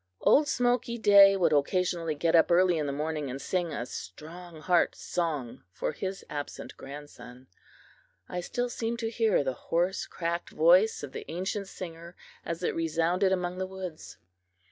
Old Smoky Day would occasionally get up early in the morning, and sing a "strong heart" song for his absent grandson. I still seem to hear the hoarse, cracked voice of the ancient singer as it resounded among the woods.